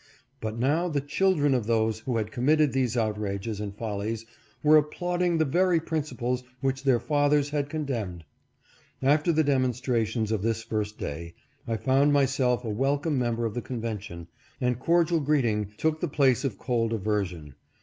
But now the children of those who had committed these outrages and follies were applauding the very principles which their fathers had condemned. After the demonstrations of this first day, I found myself a welcome member of the convention, and cordial greeting took the place of cold aversion.